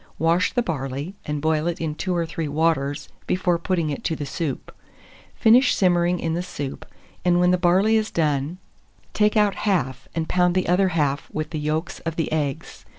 Wash the barley, and boil it in 2 or 3 waters before putting it to the soup; finish simmering in the soup, and when the barley is done, take out half, and pound the other half with the yolks of the eggs.